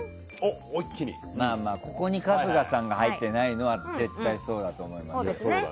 ここに春日さんが入ってないのは絶対にそうだと思う。